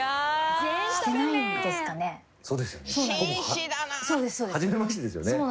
そうですよね。